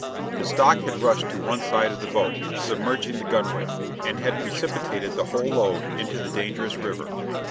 The stock had rushed to one side of the boat, submerging the gunwale, and had precipitated the whole load into the dangerous river.